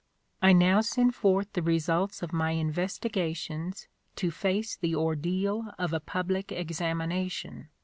I now send forth the results of my investigations to face the ordeal of a public examination.